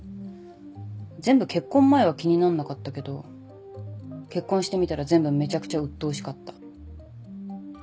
全部結婚前は気になんなかったけど結婚してみたら全部めちゃくちゃうっとうしかった。